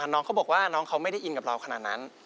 น้องเขาบอกว่าน้องเขาไม่ได้อินกับเราขนาดนั้น